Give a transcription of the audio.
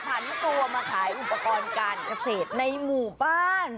พันตัวมาขายอุปกรณ์การเกษตรในหมู่บ้าน